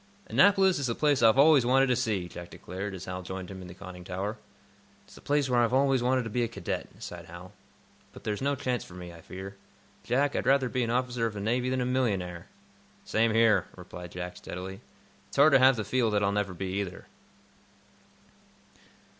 "Annapolis is the place I've always wanted to see," Jack declared, as Hal joined him in the conning tower. "It's the place where I've always wanted to be a cadet," sighed Hal. "But there's no chance for me, I fear. Jack, I'd rather be an officer of the Navy than a millionaire." "Same here," replied Jack, steadily. "It's hard to have to feel that I'll never be either."